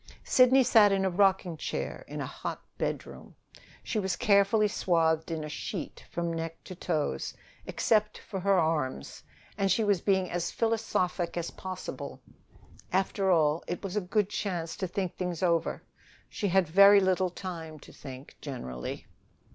Sidney sat in a rocking chair in a hot bedroom. She was carefully swathed in a sheet from neck to toes, except for her arms, and she was being as philosophic as possible. After all, it was a good chance to think things over. She had very little time to think, generally.